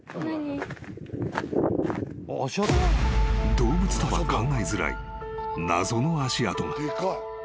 ［動物とは考えづらい謎の足跡が］